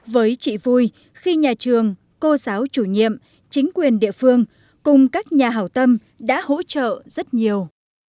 với chị vui khi nhà trường cô giáo chủ nhiệm chính quyền địa phương cùng các nhà hảo tâm đã hỗ trợ rất nhiều